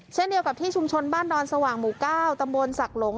เช่นเดียวกับที่ชุมชนบ้านดอนสว่างหมู่๙ตำบลศักดิ์หลง